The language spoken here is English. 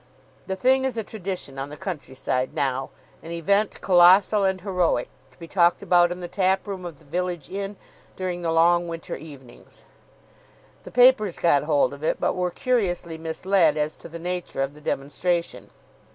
The thing is a tradition on the countryside now, an event colossal and heroic, to be talked about in the tap room of the village inn during the long winter evenings. The papers got hold of it, but were curiously misled as to the nature of the demonstration.